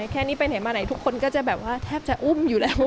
แค่นี้ไปไหนมาไหนทุกคนก็จะแบบว่าแทบจะอุ้มอยู่แล้ว